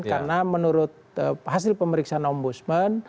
karena menurut hasil pemeriksaan om budsman